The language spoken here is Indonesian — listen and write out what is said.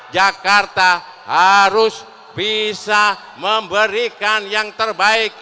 jakarta harus bisa memberikan yang terbaik